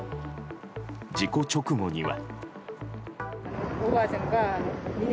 事故直後には。